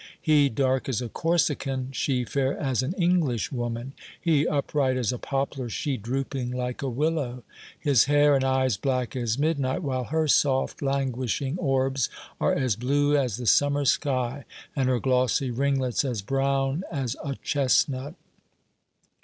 He, dark as a Corsican; she, fair as an Englishwoman he, upright as a poplar; she, drooping like a willow his hair and eyes black as midnight, while her soft, languishing orbs are as blue as the summer sky, and her glossy ringlets as brown as a chestnut!"